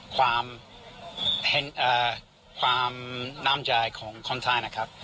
ความน้ำใจของคนไทยนะครับ